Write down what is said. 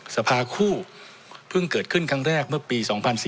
สภาคู่เพิ่งเกิดขึ้นครั้งแรกเมื่อปี๒๔